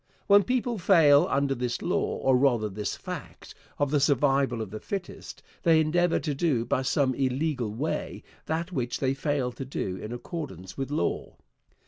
When people fail under this law, or rather this fact, of the survival of the fittest, they endeavor to do by some illegal way that which they failed to do in accordance with law.